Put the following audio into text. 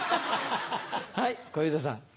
はい小遊三さん。